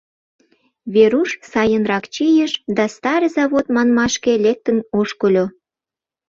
Веруш сайынрак чийыш да Старый Завод манмашке лектын ошкыльо.